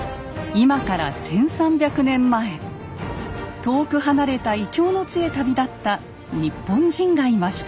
今から１，３００年前遠く離れた異郷の地へ旅立った日本人がいました。